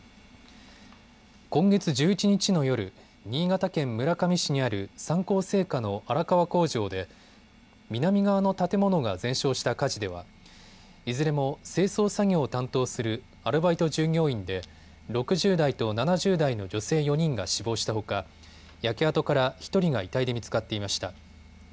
今月１１日の夜、新潟県村上市にある三幸製菓の荒川工場で南側の建物が全焼した火事ではいずれも清掃作業を担当するアルバイト従業員で６０代と７０代の女性４人が死亡したほか焼け跡から１人が遺体で見つかっていました。